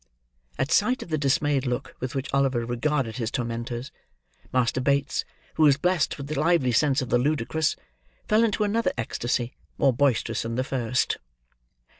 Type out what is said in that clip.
At sight of the dismayed look with which Oliver regarded his tormentors, Master Bates, who was blessed with a lively sense of the ludicrous, fell into another ectasy, more boisterous than the first.